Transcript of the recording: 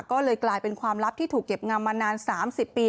ก็เลยกลายเป็นความลับที่ถูกเก็บงำมานาน๓๐ปี